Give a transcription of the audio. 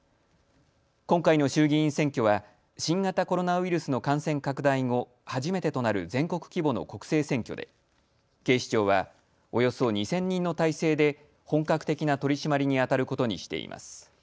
今回の衆議院選挙は新型コロナウイルスの感染拡大後、初めてとなる全国規模の国政選挙で警視庁はおよそ２０００人の態勢で本格的な取締りにあたることにしています。